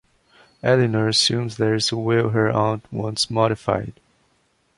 Elinor assumes there is a will her aunt wants modified.